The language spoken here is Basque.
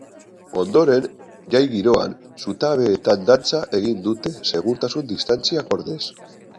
Ondoren jai giroan, zutabeetan dantza egin dute, segurtasun distantzia gordez.